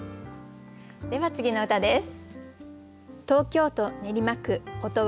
では次の歌です。